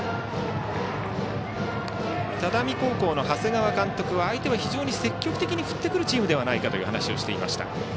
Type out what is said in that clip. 只見高校の長谷川監督は相手は非常に積極的に振ってくるチームではないかと話をしていました。